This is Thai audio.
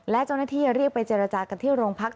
และเจ้าหน้าที่เรียกไปเจรจากันที่โรงพัก